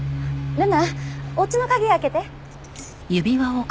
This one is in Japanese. ルナおうちの鍵開けて。